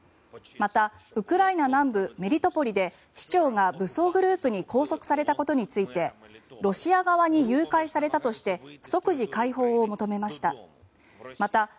またウクライナ南部メリトポリで市長が武装グループに拘束されたことについてロシア側に誘拐されたとして即時解放を求めました。